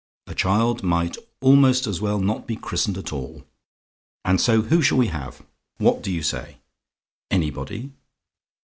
A child might almost as well not be christened at all. And so who shall we have? What do you say? "ANYBODY?